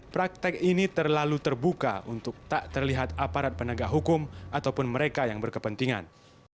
praktek ini terlalu terbuka untuk tak terlihat aparat penegak hukum ataupun mereka yang berkepentingan